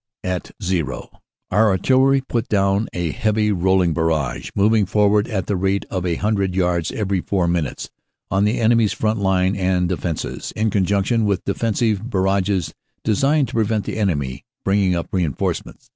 At "zero" our artillery put down a heavy rolling barrage, moving forward at the rate of a hundred yards every four minutes, on the enemy s front line and defenses, in conjunction w r ith defensive barrages designed to prevent the enemy bringing up reinforce ments.